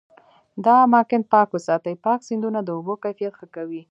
دا اماکن پاک وساتي، پاک سیندونه د اوبو کیفیت ښه کوي.